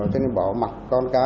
cho nên bỏ mặt con cá